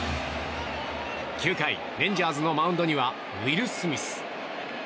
９回レンジャーズのマウンドにはウィル・スミス。